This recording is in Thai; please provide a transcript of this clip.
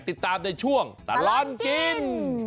ติดตามในช่วงตลอดกิน